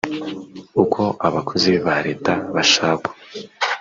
Uko Abakozi ba Leta bashakwa.